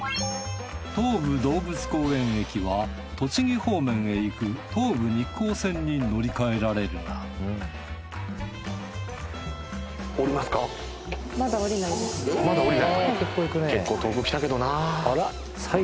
東武動物公園駅は栃木方面へ行く東武日光線に乗り換えられるがまだ降りない？